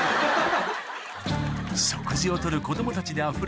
食事を取る子供たちであふれ